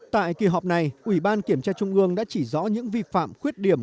tại kỳ họp này ủy ban kiểm tra trung ương đã chỉ rõ những vi phạm khuyết điểm